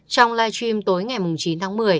trong live stream tối ngày chín tháng một mươi